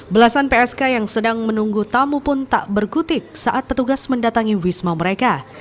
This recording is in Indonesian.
belasan psk yang sedang menunggu tamu pun tak berkutik saat petugas mendatangi wisma mereka